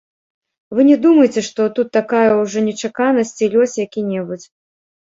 Вы не думайце, што тут такая ўжо нечаканасць ці лёс які-небудзь.